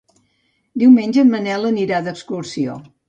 Diumenge en Manel anirà d'excursió.